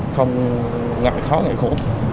không ngại khó ngại khổ